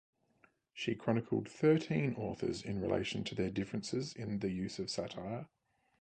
She chronicled thirteen authors in relation to their differences in the use of satire.